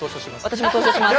私も投書します。